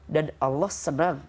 dan allah senang